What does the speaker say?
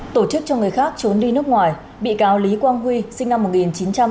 tổ chức cho người khác trốn đi nước ngoài bị cáo lý quang huy sinh năm một nghìn chín trăm tám mươi